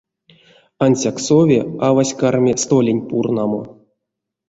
Ансяк сови, авась карми столень пурнамо.